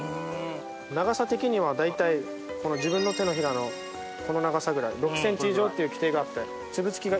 長さ的には大体自分の手のひらのこの長さぐらい６ｃｍ以上っていう規定があって。